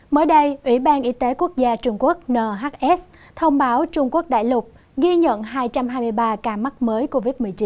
mới đây ủy ban y tế quốc gia trung quốc nhs thông báo trung quốc đại lục ghi nhận hai trăm hai mươi ba ca mắc mới covid một mươi chín